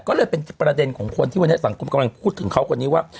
ก็เลยเป็นประเด็นของคนที่วันนี้สังคมกำลังพูดถึงเขาคนนี้ว่า